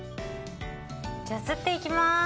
じゃあ刷っていきます。